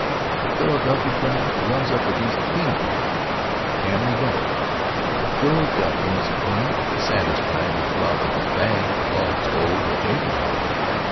The Philadelphia crowd runs up against the penal code. Tammany don't. The Philadelphians ain't satisfied with robbin' the bank of all its gold and paper money.